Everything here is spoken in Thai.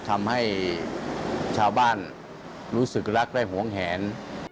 ทำให้ชาวบ้านรู้สึกรักและหวงแหน